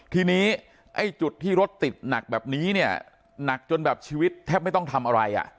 ทีนี้ไอ้จุดที่รถติดหนักแบบนี้เนี่ยหนักจนแบบชีวิตแทบไม่ต้องทำอะไรอ่ะ